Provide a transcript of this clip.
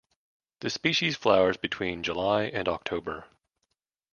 The species flowers between July and October.